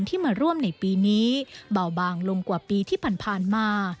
ที่มาร่วมในปีนี้เบาบางลงกว่าปีที่ผ่านมา